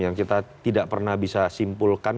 yang kita tidak pernah bisa simpulkan